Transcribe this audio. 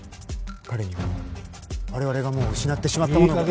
彼には我々がもう失ってしまったものを。